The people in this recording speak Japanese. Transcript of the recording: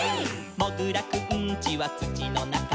「もぐらくんちはつちのなか」「」